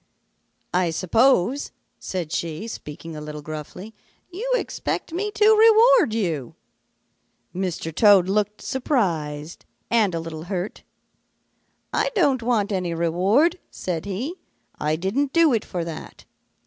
"'I suppose,' said she, speaking a little gruffly, 'you expect me to reward you.' "Mr. Toad looked surprised and a little hurt. 'I don't want any reward,' said he. 'I didn't do it for that.